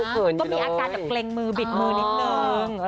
ก็มีอาการแบบเกรงมือบิดมือนิดนึง